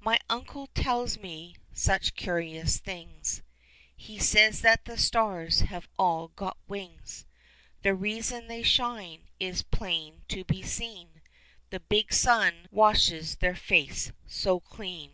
My uncle he tells me such curious things : He says that the stars have all got wings. The reason they shine is plain to be seen : The big Sun washes their faces so clean.